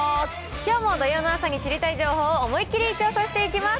きょうも土曜の朝に知りたい情報を思いきり調査していきます。